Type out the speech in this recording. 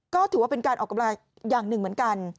ก็ถือว่าเป็นการออกกำลังอย่างหนึ่งเหมือนกัน